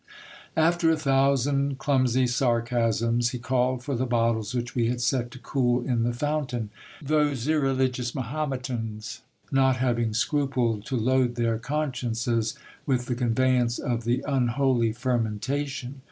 After a thousand clumsy sarcasms, he called for the bottles which we had set to cool in the fountain ; those irreligious Mahometans not having scrupled to load their con sciences with the conveyance of the unholy fermentation.